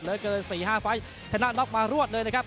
เกิน๔๕ไฟล์ชนะน็อกมารวดเลยนะครับ